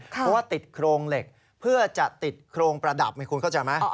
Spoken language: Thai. เพราะว่าติดโครงเหล็กเพื่อจะติดโครงประดับให้คุณเข้าใจไหม